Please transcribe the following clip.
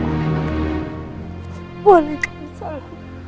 jangan kamu kembali